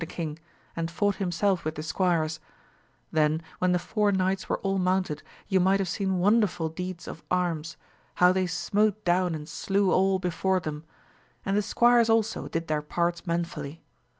165 the king, and fought himself with the squires ; then when the four knights were all mounted you might have seen wonderful deeds of arms, how they smote down and slew all before them ; and the squires also did their parts manfully.